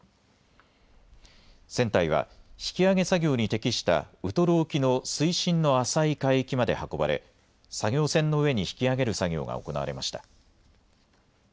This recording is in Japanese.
船体は引き揚げ作業に適したウトロ沖の水深の浅い海域まで運ばれ、作業船の上に引き揚げる作業が行われました。